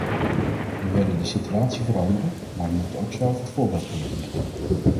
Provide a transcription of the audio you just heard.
We willen de situatie veranderen, maar we moeten ook zelf het voorbeeld geven hierin.